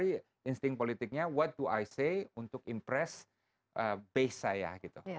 dia itu mikirnya setiap hari insting politiknya what do i say untuk impress base saya gitu